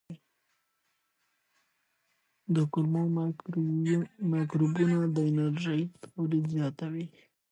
د کولمو مایکروبونه د انرژۍ تولید زیاتوي.